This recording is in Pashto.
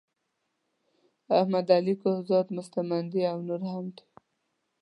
احمد علی کهزاد مستمندي او نور هم دي.